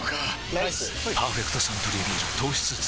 ライス「パーフェクトサントリービール糖質ゼロ」